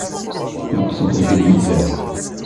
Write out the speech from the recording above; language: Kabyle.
Neqsent deg lmizan.